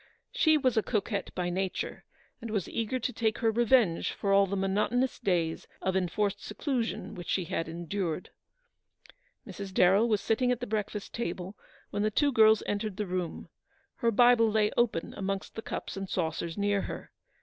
She was a coquette by nature, and was eager to take her revenge for all the monotonous days of enforced seclusion which she had endured. Mrs. Darrell was sitting at the breakfast table when the two girls entered the room. Her Bible lay open amongst the cups and saucers near her.